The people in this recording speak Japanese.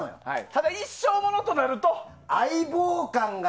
ただ一生モノとなると。